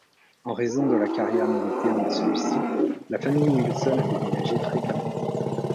En raison de la carrière militaire de celui-ci, la famille Wilson a déménagé fréquemment.